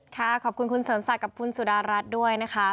ขอบคุณคุณเสริมศักดิ์กับคุณสุดารัฐด้วยนะคะ